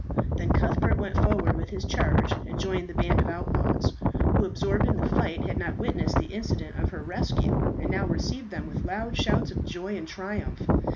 Then Cuthbert went forward with his charge and joined the band of outlaws, who, absorbed in the fight, had not witnessed the incident of her rescue, and now received them with loud shouts of joy and triumph.